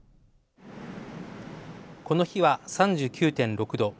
この日は、３９．６度。